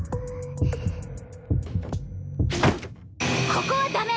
ここはダメ！